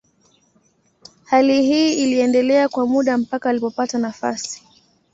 Hali hii iliendelea kwa muda mpaka alipopata nafasi.